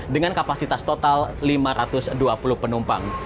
dengan kapasitas total lima ratus dua puluh penumpang